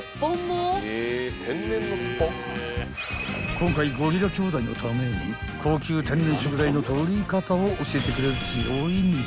［今回ゴリラ兄弟のために高級天然食材の獲り方を教えてくれる］